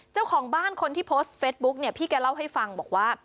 เจ้าของบ้านคนที่โพสต์เฟสบุ๊กเนี่ยพี่แกเล่าให้ฟังบอกว่า